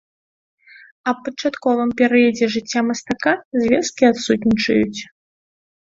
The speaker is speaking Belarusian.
Аб пачатковым перыядзе жыцця мастака звесткі адсутнічаюць.